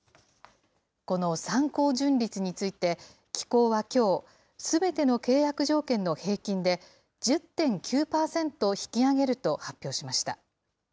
この参考純率について、機構はきょう、すべての契約条件の平均で１０．９％引き上げると発表しました。